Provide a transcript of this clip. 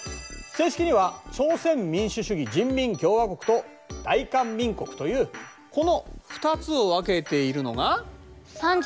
正式には朝鮮民主主義人民共和国と大韓民国というこの２つを分けているのが。